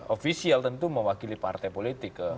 ofisial tentu mewakili partai politik